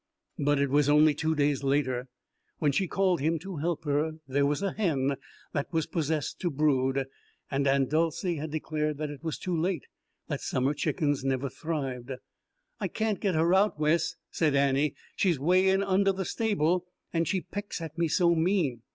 But it was only two days later when she called him to help her; there was a hen that was possessed to brood, and Aunt Dolcey had declared that it was too late, that summer chickens never thrived. "I can't get her out, Wes," said Annie. "She's 'way in under the stable, and she pecks at me so mean.